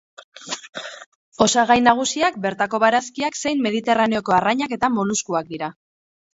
Osagai nagusiak bertako barazkiak zein Mediterraneoko arrainak eta moluskuak dira.